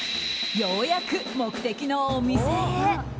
ようやく目的のお店へ。